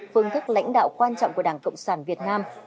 phương thức lãnh đạo quan trọng của đảng cộng sản việt nam